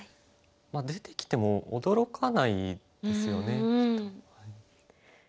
出てきても驚かないですよねきっと。